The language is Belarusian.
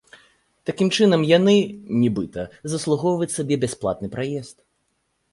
Такім чынам яны, нібыта, заслугоўваюць сабе бясплатны праезд.